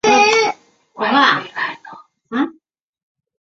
曲学大师吴梅也持此观点。